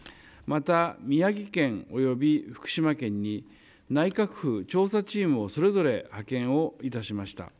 また、宮城県および福島県に内閣府調査チームをそれぞれ派遣をいたしました。